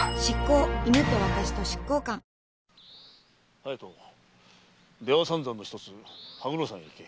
隼人出羽三山のひとつ羽黒山へ行け。